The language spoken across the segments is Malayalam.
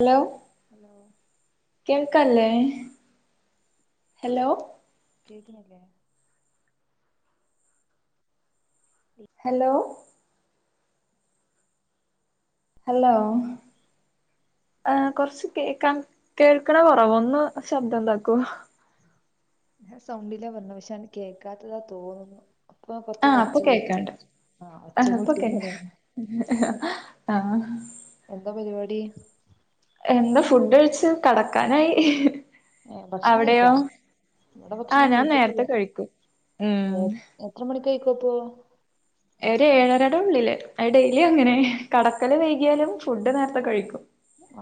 ഹലോ ഹലോ കേൾക്കല്ലേ ഹലോ ല്ലേ ഹലോ ഹലോ ആ കൊറച്ച് കേക്കൻ കേൾക്കണ കൊറവ ഒന്ന് ശബ്ദം ഇണ്ടാക്കൂ ഞാ സൗണ്ടില്ലേ പറഞ്ഞ പക്ഷാന് കേൾക്കാത്തതാ തോന്നുന്നു അപ്പൊ ആഹ കൊറച്ചൂടെ ഒച്ച അപ്പൊക്കെ കൂട്ടി ആക്കാണ്ട ആഹ് ആ ഒച്ച കൂട്ടി അപ്പൊക്കെ ഹ്ഹ്ഹ് ആഹ് എന്താ പരിപാടി എന്താ ഫുഡ് കഴച്ച് കടക്കാനായി ഏ ഭക്ഷണം കഴിച്ചാ ഇവിടെ ആഹ ഭക്ഷണം ഞാൻ കഴിച്ചിട്ടില്ല നേരത്തെ കഴിക്കും ഉം കേക്കോ പോ ഒരുഏഴരട ഉള്ളില്ലേ അ ഡെയിലി അങ്ങനെ കടക്കല് വൈകിയാലും ഫുഡ് നേരത്തെ കഴിക്കും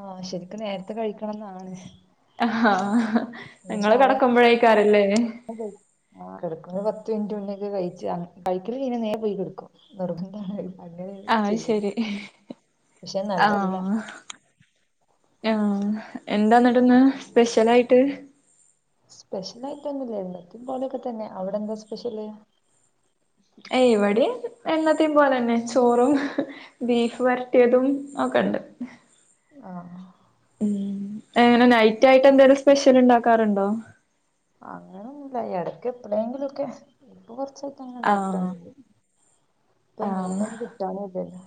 ആഹ ശരിക്കും നേരത്തെ കഴിക്കണന്നാണ് ആ നിങ്ങള്ങ്ങ കടക്കുമ്പോഴഴക്കാറല്ലേ ഒരു പത്ത് മിനിറ്റ് മുന്നേക്കെ കഴ കഴിക്കല് ഇനെ നേ പോയി കിടക്കും അങ്ങനെ ആ ചെയ്യല് ശരി പക്ഷെ നല്ലല്ല ആ എന്താന്നട്ട്ന്ന് സ്പെഷ്യൽ ആയിട്ട് സ്പെഷ്യൽ ആയിട്ടൊന്നുംല്ല എന്നത്തിം പോലെയൊക്കെ തന്നെ അവിടെ എന്താ സ്പെഷ്യല് എയ് ഇവടിം എന്നത്തെ പോലെന്നെ ചോറും ബീഫ് വരട്ടിയതും ഒ ക്കണ്ട് ആഹ് ഉം എങ്ങനെ നൈറ്റ് ആയിട്ട് എന്തെലും സ്പെഷ്യൽ ഉണ്ടാക്കാറുണ്ടോ അങ്ങനൊന്നുല്ല ഇടക്ക് എപ്പളെങ്കിലും ഒക്കെ ഇപ്പ കൊറച്ചായിട്ട്അങ്ങനെ ഉണ്ടാക്ക ആഹ് ലെന്നുല്ല പ്പം ആഹ് മീനെന്നു കിട്ടാനു ല്ലല്ലോ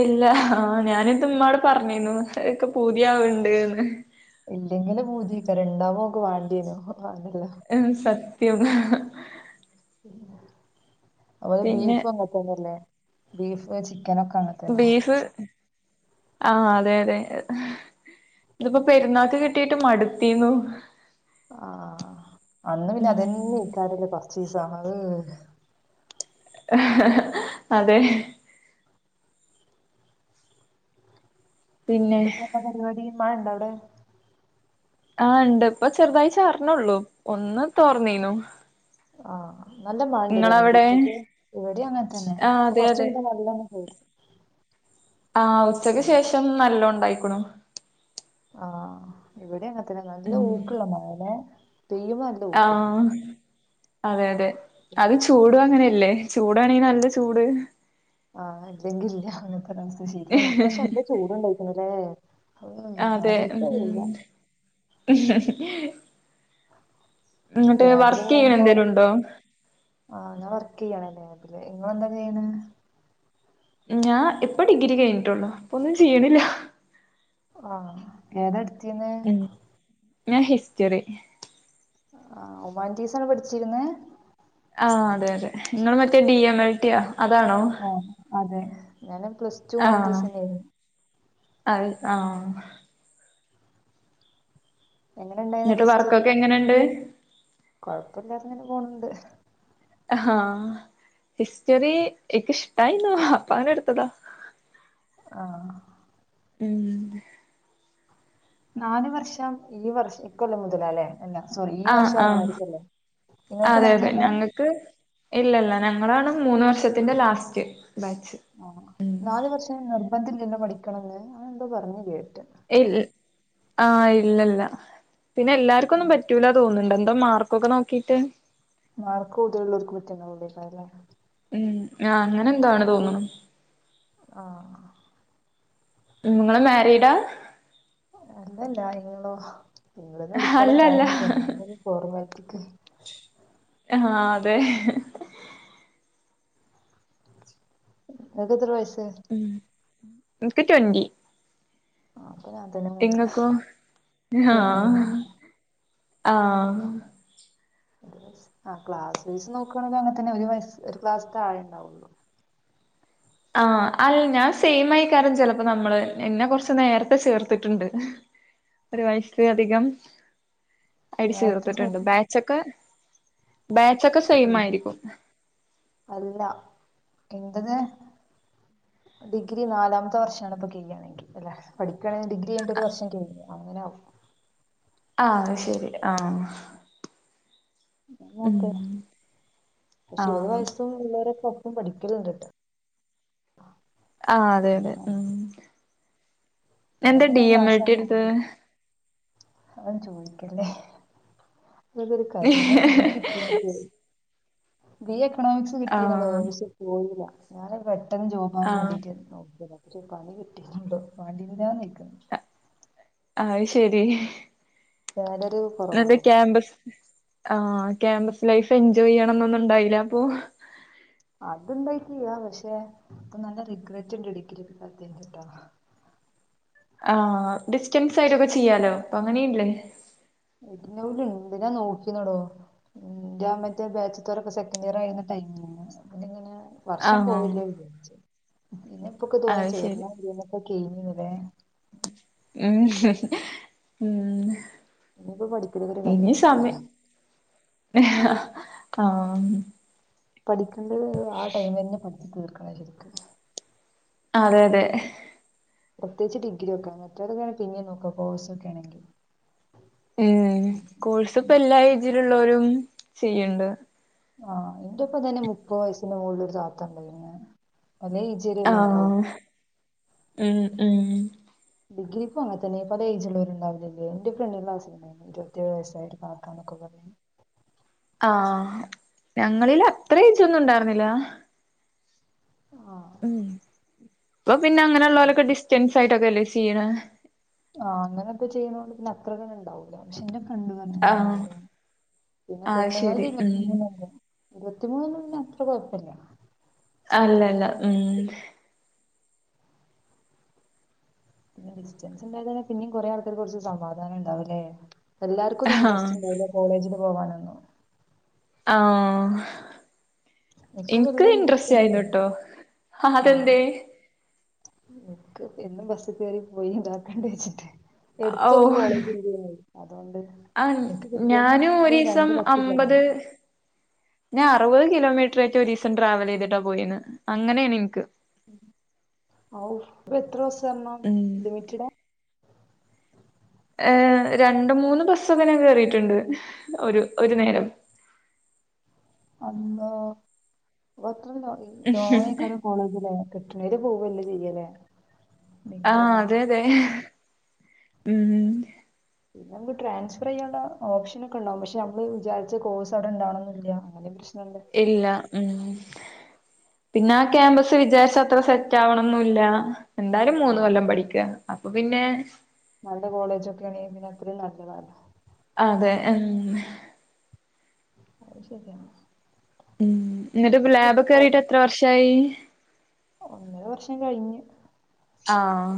ഇല്ല ആ ഞാനിത് ഇമ്മാട് പറഞ്ഞിന്നു ഇക്ക് പൂതിയാവ്ണ്ട്ന്ന് ഇല്ലെങ്കില് പൂതിക്കാരം ണ്ടാവുമ്പം നമ്മുക്ക് വാണ്ടിയ രോ ഉം സത്യം അഹ് പിന്നെ ബീഫ് അങ്ങന് തന്നല്ലേ ബീ ഫോ ചി ക്കനൊക്കെഅങ്ങന്‌തന്നെ ആഅതെ അതെ ഇത്പ്പോ പെരുന്നാക്ക് കിട്ടിട്ട് മടുത്തീന്നു ആ അന്ന് പിന്നെ അതന്നെ ഉം എയ്ക്കാരല്ലേ കൊർച്ചീ സം [unintelligible] അതെ പിന്നെ എന്തപ്പോ വിടെ പരിപാടിമാഴ ണ്ടോ അവിടെ ആ ഇണ്ട് ഇപ്പൊ ചെറ്താഴി ച്ചാറ് ണെ ള്ളു ഒന്ന് തോർന്നീനു ആ നല്ല മഴണ്ട് ലേ ഇങ്ങളവിടെ രണ്ടീസായിട്ട് ഇവിടി അങ്ങന് തന്നെ ആഹ് പ്പൊ അതെ കൊറച്ച് അതെ മുന്നെ നല്ലൊന്ന് പെയ്ത് ആ ഉച്ചക്ക് ശേഷം നല്ലോണ്ടായിക്ക്ണു ആ ഇവിടെ അങ്ങന് ത്തന്നെ നല്ല ഉം ഊക്ക്ള്ള മഴ ലേ പെയ്യുമ്പം നല്ല ഊക്ക് ആഹ് അതെ അതെ അത് ചൂട് അങ്ങനെല്ലേ ചൂടാണങ്കിനല്ല ചൂട് ആ ഇല്ലെങ്കില്ല അങ്ങന് ത്തെരവസ്ഥ ശരിയാണ് ഇപ്രാശ്യം നല്ല ചൂട് ണ്ടായിക് ണ്‌ലേ അതെ ഉം ഇങ്ങട്ട് ലേബ് ല് വർക്ക് ചെയ്യണ പോകുമ്പോ എന്തേലും ഉണ്ടോ ആ ഞാൻ വർക്ക് ചെയ്യാണ് ലേ ബ്‌ല് ഇങ്ങളന്താ ചെയ്യ്ണേ ഞാൻ ഇപ്പ ഡിഗ്രി കഴിഞ്ഞ് ട്ടൊള്ളൂ പ്പൊന്നും ചെയ്യ്ണ്ല്ല ആ ഏതാട്ത്തീന്നേ ഞാ ഹിസ്റ്ററി ആ ഹുമാന്റീസാണ് പഠിച്ചിരുന്നേ ആ അതെ അതെ ഇങ്ങൾ മറ്റേ ഡി എം എൽട്ടി യാ അതെ ഞാനും പ്ലസ്ടു ഹുമാന്റീസ ന്നെ യേനി അഹ് ആ എങ്ങനെ ഇങ്ങട്ട് വർക്കൊക്കെ എങ്ങനെണ്ട് കൊഴപ്പല്ലാതെങ്ങനെ പോണ് ണ്ട് ഹാ ഹിസ്റ്ററി ഇക്ക് ഇഷ്ടായിന്നു അപ്പ അങ്ങനെ ട്ത്തതാ ആ ഉം നാല് വർഷം ഈ വർ ഇക്കൊല്ലം മുതലാ ല്ലേ ആആ നിങ്ങൾക്ക് അതെ അതെ ഉണ്ടായിട്ടില്ലല്ലോ ഞങ്ങൾക്ക് ഇല്ലല്ല ഞങ്ങളാണ് മൂന്ന് വർഷത്തിന്റെ ലാസ്റ്റ് ബാച്ച് ആ ഉം നാല് വർഷം നിർബന്ധല്ലല്ലോ പഠിക്കണംന്ന് അങ്ങനെ എന്തോ പറഞ്ഞീല്ലേ ഇൽ ആഹ് ഇല്ലല്ല പിന്നെ എല്ലാർക്കൊന്നും പറ്റൂല തോന്ന്ണ്ട് ടെ മാർക്കൊക്കെ നോക്കീട്ടേ മാർക്ക് കൂടുതല്ള്ളോൽക്ക് പറ്റുന്നെള്ളെ യ്ക്കാരല്ലേ ആ അങ്ങനെ എന്തോണ് തോന്ന്ണ് ആ നിങ്ങള് മാരിഡാ അല്ലല്ല നിങ്ങളോ നിങ്ങളന്ന് വിളിക്കളും അല്ലല്ല [unintelligible] ക്കെ ആഹ അതെ എകത്ര വയസ്സ ഇൻക്ക്‌ ട്വന്ന്ന്റി ആഹ് അപ്പൊ ഞാൻ തന്നെ മൂത്തത് എങ്ങക്കോ ആഹ ട്വന്റി വൺ ആഹ ആ ക്ലാസ്സ് നോക്കുകയാണെങ്കിൽ അങ്ങനെ തന്നെ ഒരു ഒരു ക്ലാസ്സതാഴെ ഉണ്ടാവുള്ളു ആഹ അല്ല ഞാൻ സെയിം ആയി കാരണം ചിലപ്പോ നമ്മള് എന്നെ കൊറച്ച നേരത്തെ ചേർത്തിട്ടുണ്ട് ഒരു വയസില അധികം നേരത്തെ അടിച്ചുർത്തിട്ടുണ്ട് ചേർത്തിനെ ബാച്ചൊക്കെ ബാച്ചൊക്കെ സെ ആയിരിക്കും എറത് ഡിഗ്രി നാലാമത്തെ വർഷണിപ്പ ചെയ്യുകയാണെങ്കിൽ അല്ലെ പഠിക്കും ണെ ഡിഗ്രി ചെയ്യണ്ട ഒരു വർഷം കഴി അങ്ങനെ ആാവും ആഹ ശരി ആഹ ങ്ങട്ട പക്ഷെ ഇരുപത് ആഹ് വയസ്ന്നള്ളവര പ്പും പഠിക്കലണ്ട്ട്ട് ആ അതെ അതെ ഉ എന്താ ഡി എം ഇട്ടി എടുത്ത അവൻ ചോദിക്കല്ലേ ഇതക്ക അത ഡിഗ്രി കിട്ട എക്കണോമിക്സ് ആഹ് കിട്ടിയെന്നോശ പോയില്ല ഞാൻ പെട്ടെന്ന് ജോബാൻ ആഹ് വേണ്ടിയിട്ടായിരുന്നു ഒരു പണി കിട്ടിട്ടണ്ടോ പണ്ടി വിരാ നക്കുന്നു അത് ശരി സാലറി നന്റെ കുറവാണോ ക്യാമ്പസ് ആഹ ക്യാമ്പസ് ലൈഫ് എൻജോയ് ചെയ്യണംന്നൊന്നും ഇണ്ടായില്ല അപ്പൊ അത്ണ്ടായിട്ട പക്ഷെ ഇപ്പൊ നല്ല റിഗ്രെറ്റ് ഉണ്ട് ഡിഗിരി ഒക്കെ കത്തി ചിട്ടാ [inaudible] ആഹ ഡിസ്റ്റൻസ് ആയിട്ടൊക്കെ ചെയ്യാലോ ഇപ്പൊ അങ്ങനെയില്ലേ ഇന്റ് നവ്ൽ ഉണ്ട്ഞാൻ നോക്കിന്നോടോ എന്റെ മറ്റേ ബാച്ച്ത്തോരൊക്കെ സെക്കൻഡ് ഇയർ ആയി അ ഇങ്ങനെ വർഷം ആഹ് പോവില്ല വിചോരിച്ച് പിന്നെ ഇപ്പൊക്കെ തോന്നാ അത് ശരി ചേർന്നന്നൊക്കെ കഴിഞ്ഞിന്നു ലൊ ഉം ഉം ഇനിയിപ്പോപഠികല് ഒരു കഥ ഇനി തന്നൊയിക്കാം ആഹ പഠിക്കണ്ട് ആ ടൈം തന്നെ പഠിച്ച തീർക്കണ ശരിക്ക് അതെ അതെ പ്രത്യേകിച്ച് ഡിഗ്രി ഒക്കാ മറ്റേതൊക്കെയാണ് പിന്നെയെ നോക്കാം കോഴ്സ ഒക്കെ ആണെങ്കിൽ വീട്ടിൽ ഉള്ളോരുംചെയ്യണ്ട് ആഹ് ഇതുപ്പതന്നെ മുപ്പത് വയസിന്റെ മുകളില ഒരു താത്ത ഉണ്ട് എ അല്ല ഈചേരിയൽ ഉണ്ടാവും ആഹ് ഉം ഉം ഡിഗ്രി അങ്ങന തന്നെ പല ഏജുള്ളരു ഉണ്ടാവില്ലേ എ് ഫ്രണ്ട്ന്റെ ക്ലാസ്സിൽ ഉണ്ടായിരുന്നു ഇരുപത്തിേഴ് വയസ്സായിട്ട് കാക്ക എന്നെക്കാപറഞ് [inaudible] ആഹ ഞങ്ങളില് അത്ര ഏജുഒന്നും ഉണ്ടായിരുന്നില്ല ആഹ് ഉം അപ്പ പിന്നെ അങ്ങനെള്ളവലൊക്കെ ഡിസ്റ്റൻസ് ആയിട്ടൊക്കെല്ലേ ചിയ്ണ് ആഹ് അങ്ങനെൊക്കെ ചെയ്യതൊണ്ട് പിന്നെ അത്ര ഉണ്ടാവൂല പക്ഷെ പണ്ട പറഞ്ഞങ്ങനെ ആഹ് ഉണ്ട്പിന്നെ അത് പെണ്ണുങ്ങൾ ശരി ഉം ഇരുപത്തിമൂന്ന് എല്ലാ ഇരുപത്തിമൂന്ന് മ അത്ര കുഴപ്പില്ല അല്ലല്ല ഉം പിന്നെ ഡിസ്റ്റൻസ് ഉണ്ടായന്നെ പിന്നും കുറേ ആൾക്കക്ക് കുറച്ച് സമാധാനം ഉണ്ടാവല്ലേ എല്ലാർക്കും ഒും ആഹ് ഇൻട്രസ്റ്റ് ഉണ്ടല്ല കോളേജന് പോവാനൊന്നു ആഹ നിക്കും എനിക്ക് വല്യ ഇൻട്രസ്റ്റ് ഒന്നുമില്ല ആയിരുന്നുട്ടോ അതെന്തേ ഇക്ക് എന്നും ബസ്സിൽ കയറി പോയി ഇതാക്കണ്ട ച്ചിട്ട് ഔ എടുത്തൊന്ന് കോളേജിലെന്നും അതുകൊണ്ട് ആഹ് എനിക്ക് കിട്ടിയ തുംരണ്ട് ബസ് അത് [inaudible] ഞാൻ അറുപത് കിലോമീറ്റർറ്റൊ ഒരു ദിവസം ട്രാവൽ ചെയ്തിട്ടാ പോയന്ന് അങ്ങനെയാണ് ഇന്ക്ക് അവ് ഇപ്പോ എത്ര ബസ്സ് കയറണം ഉം ലിമിറ്റഡ ഏ രണ്ട് മൂന്ന് ബസ്സൊക്കനെ കറിയിട്ടുണ്ട് ഒരു ഒരു നേരം [inaudible] അള്ളാഅത്ര ലോങ്ങ് അയി കാരംകോളേജില കിട്ട് ണോ പോവല്ല ചെയ്യല്ലേ ഡിഗ്രി ആഹ ആവുമ്പോ അതെ അതെ ഉം പിന്നെമുക്ക് ട്രൻഫർ ചെയ്യേണ്ട ഓപ്ഷൻ ഒക്കെണ്ടകും പക്ഷ നമ്മള് വിചാരിച്ച കോഴ്സ്ടെണ്ടണന്നില്ല അതാ പ്രശ്നം ഇല്ല ഉം പിന്നെ ആ ക്യാമ്പസ് വിചാരിച്ചഅത്ര സെറ്റ് ആവണംന്നല്ല എന്തായാലും മൂന്ന് ആഹ് കൊല്ലം പഠിക്കുക അപ്പൊ പിന്നെ നല്ല കോളേജ് ഒക്കെയ ആണെങ്ക പിന്നെ അത്രയും നല്ലതാണ് അതെ ഉ അത് ശരിയാണ് ഉം എന്നിട്ട് ഇത് ലാബ് കിട്ടിപ്പോ കറിയിട്ട് എത്ര വർഷായി ഒന്നര വർഷം കഴിഞ്ഞ് ആഹ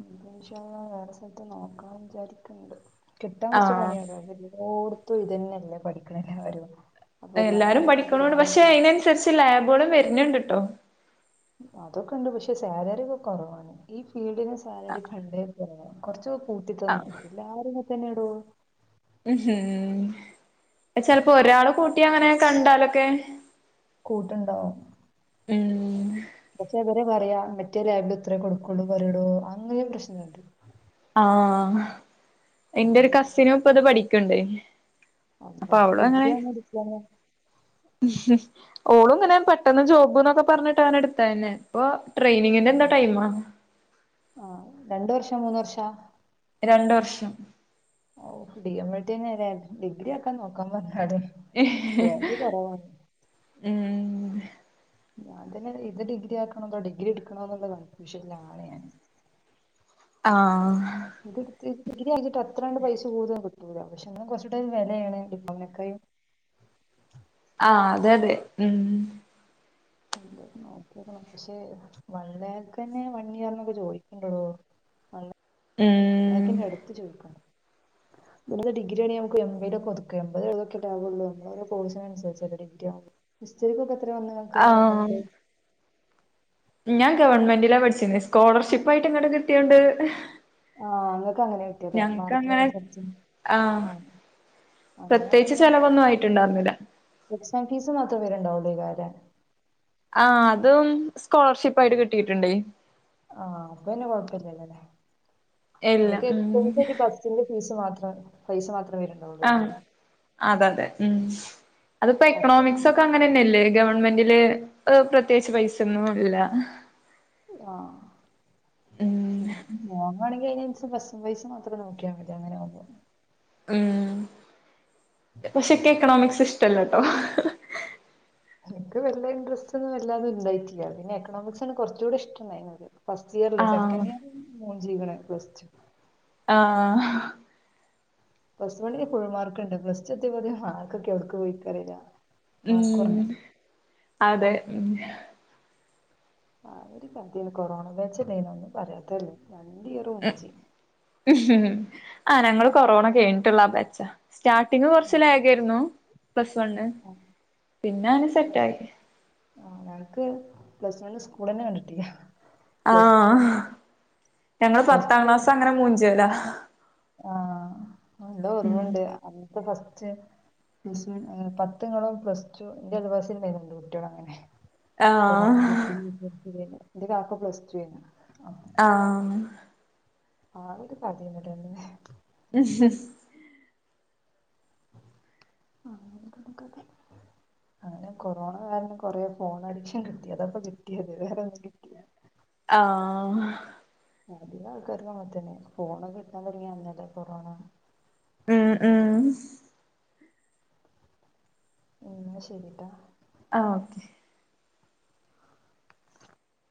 ഇഞ്ഞ് പ്പോ ഇൻശാ അള്ളാവേറെ സ്ഥലത്ത്നോക്കാന് വിചാരിക്ണ്ട് കിട്ടാൻ കുറച്ച് ആഹ് പണിയാള്ളൂ എല്ലോടത്തും ഇതന്നെയല്ലേ പഠിക്കണല്ലേ വരു എല്ലാരും പഠിക്കണോണ്ട് പക്ഷെ അതിനനുസരിച്ച് ലാബുകളും വരുന്നണ്ട് കേട്ടോ അതൊക്കെ ഉണ്ട് പക്ഷെ സാലറി ഒക്കെ കുറവാണ് ഈ ഫീൽഡിന് സാലറി പണ്ടെ കൊറച്ച കൂട്ടിത്തൊന്നട ആഹ് എല്ലാരും ഇങ്ങ തന്നെ ആഡോ ഉം ഹം ഉ ചിലപ്പോ ഒരാള് കൂട്ടി അങ്ങനെ കണ്ടാലൊക്കെ കൂട്ടുണ്ടാവും ഉം പക്ഷെ അവരു പറയാ മറ്റേ ലബില ഇത്രയേ കൊടുക്കുള്ളൂ പറയടോ അങ്ങനെ പ്രശ്നുണ്ട് ആഹ എന്റെ അതാണ് ഒരു കസിനും ഇപ്പ അത് പഠിക്കണ്ടേ അല്ലാഹ് ഓളും ഇങ്ങനെ പെട്ടെന്ന് ജോബ് എന്നൊക്കെ പറഞ്ഞിട്ട് ആണ് എടുത്തായിന്നെ അപ്പൊ ട്രെയിനിങ്ങിന്റെ എന്താ ടൈമ ഇ മൂന്ന് വർഷം രണ്ട് വർഷം ഓ ഡി എം എൽ ടില്ല ഡിഗ്രി ഒക്കെ നോക്കാൻ പറഞ്ഞ അതെ കുറവാ ഉം ഞാൻ തന്നെ ഇത് ഡിഗ്രി ആക്കണന്തോ ഡിഗ്രി എടുക്കണന്നുള്ളത് കൺഫ്യൂഷനിൽ ആണ് ഞാൻ ആഹ ഇത് ഇത്തിരി കഴിഞ്ഞിട്ട് അത്രാണ്ട് പൈസ കൂടുതൽ കിട്ടൂല്ല പക്ഷെ ഒന്ന് കുറച്ചൂടെ വിലയാണ് ഇപ്പക് [inaudible] ആഹ അതെതെ ഉം ഇ നോക്കണം പക്ഷെ വൺ ലാക് തന്നെ വൺ ഇയർന്നൊക്കെ ചോദിക്കണ്ടോടോ അല്ല ഉം അയക്കിന്റെ അടുത്ത് ചോദിക്കണം ഇമ്മ ഡിഗ്രി ആണങ്കിൽ നമുക്ക് എം ബി എ കൊടുക്കേണ്ടത് എപത്ഴതൊക്കെ ലാവുള്ളൂ നമ്മ കോഴ്സിനനുസരിച്ചല്ലേ ഡിഗ്ര ആകും മിസ്റ്റെയ്ക്കൊക്കെ എത്ര വന്ന് നമക്ക് ആഹ് എമൗണ്ട് ഞാൻ ഗവൺമെന്റിലാ പഠിച്ചീനെ സ്കോളർഷിപ്പ് ആയിട്ട് ഇങ്ങട് കിട്ടിയോണ്ട് ആഹ് നിങ്ങക്ക് അങ്ങനെ കിട്ടിയല്ലെ ഞങ്ങക്ക് മാർക്കിന് അങ്ങനെ അനുസരിച്ച് ആഹ് അങ്ങനെ പ്രത്യേകിച്ച് പിന്നെ ചെലവൊന്നും ആയിട്ടുണ്ടായിരുന്നില്ല എക്സാം ഫീസ് മാത്രം വര്ണ്ടാവൊള്ളു ള്ളെയ്ക്കാരം ആ അതും സ്കോളർഷിപ്പ് ആയിട്ട് കിട്ടിയിട്ട്ണ്ട് ആഹ് അപ്പംന്നെ കൊഴപ്പില്ലല്ലോല്ലേ എല്ലാം നിക്ക് ഉം എക്സ്പെൻസായ്ട്ട് ബസിന്റെ ഫീസ് മാത്രം ആ പൈസ മാത്രം വരുന്നുണ്ടാവുള്ളൂ ആഹ് അല്ലേ അതതെ ഉം അതിപ്പോ എക്ക്ണോമിക്സ് ഒക്കെ അങ്ങനെ തന്നെയല്ലേ ഗവൺ ഗവൺമെന്റില് അ് പ്രത്യേകിച്ച് പൈസൊന്നും ഇല്ല ആഹ് ഉം അതെന്നേണ് വേണെങ്കി [unintelligible] ബസ് പൈസ മാത്രം നോക്കിയാ മതി അങ്ങനെണെങ്കി ഉം പക്ഷെക്കെ എക്കണോമിക്സ് ഇഷ്ടല്ലോട്ടോ എനിക്ക് വെല്ല്യ ഇൻട്രസ്റ്റ് ഒന്നും വല്ലാണ്ട്ണ്ടായിട്ടില്ല പിന്നെ എക്കണോമിക്സ്സാണ് കൊറ്ച്ചൂടി ഇഷ്ടണ്ടായിരുന്നത് ഫസ്റ്റ് ഇയറ്ൽ ആഹ് സെക്കൻഡ് ഇയറിൽ പിന്നെ മുഞ്ചീക്ക്ണ് പ്ലെസ്ടു ആഹ് പ്ലസ് വണ്ണിൽ ഫുൾ മാർക്ക്ണ്ട് പ്ലസ് ടു എത്തിയപ്പോത്ത്ന് മാർക്കൊക്കെ എവിട്ക്ക് പോയിക്കറീല്ല ഉം അതെ ഉം ആ ഒരു കതേണ് കൊറോണ ബേച്ചല്ലേനോ ഒന്നും പറയാത്തല്ലേ ഉം ആ ഞങ്ങള് കൊറോണ കഴിഞ്ഞിട്ട്ള്ള ആ ബേച്ചാ സ്റ്റാർട്ടിങ്ങ് കൊറ്ച്ച് ലേഗേര്ന്നു പ്ലസ് വണ് പിന്നെ അങ്ങ് സെറ്റായി ആ ഞങ്ങക്ക് പ്ലസ് വൺ സ്കൂൾ തന്നെ കണ്ടിട്ടില്ലാ ആഹ് ഞങ്ങള് പ്ലസ് പത്താം ടു ക്ലാസ് അങ്ങനെ മൂഞ്ചോലാ ആഹ് നല്ല ഓറ്മണ്ട് അന്നത്തെ ഫസ്റ്റ് പ്ലസ് വൺ അങ്ങനെ പത്ത്ങ്ങനെ പ്ലസ്ടു ൻ്റെ അയൽവാസിണ്ടായ്നു കുട്യാളങ്ങനെ ആഹ് കൊറോണൻ്റെതീ പ്ലസ്ടുകയീഞ്ഞത് ൻ്റെകാക്ക പ്ലസ്ടുഎയ്നി ആഹ് ആ അവക്ക് പതിന്നെട്ടന്നേ അഹ ആഹ് [unintelligible] അങ്ങനെ കൊറോണ കാരണം കൊറേ ഫോൺ അഡിക്ഷൻ കിട്ടി അതാപ്പോ കിട്ടിയത് വേറെ ഒന്നും കിട്ടില്ല ആഹ് അധികം ആൾക്കാർതുംഅങ്ങനെ തന്നെ ഫോണൊക്കെ കിട്ടാൻ തൊട്ങ്ങിയ അന്നല്ലേ കൊറോണ ഉം ഉം ഇന്നാ ശരിട്ടാ ആ ഓക്കെ